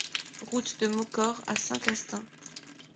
Route de Maucor à Saint-Castin